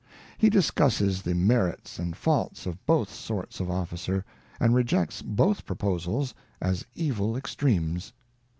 He discusses the merits and faults of both sorts of officer, and rejects both proposals as evil extremes.